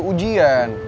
kan ada ujian